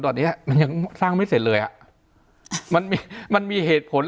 ตอนนี้มันยังสร้างไม่เสร็จเลยอ่ะมันมีมันมีเหตุผล